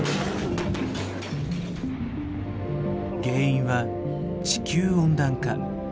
原因は「地球温暖化」。